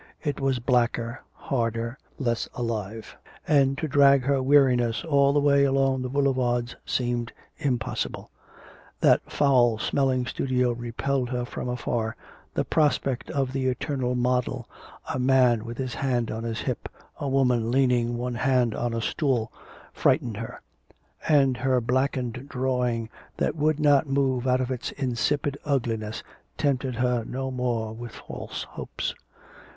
It was blacker, harder, less alive. And to drag her weariness all the way along the boulevards seemed impossible. That foul smelling studio repelled her from afar, the prospect of the eternal model a man with his hand on his hip a woman leaning one hand on a stool, frightened her; and her blackened drawing, that would not move out of its insipid ugliness, tempted her no more with false hopes.